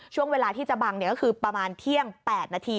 ช่วงเวลาที่จะบังก็คือประมาณเที่ยง๘นาที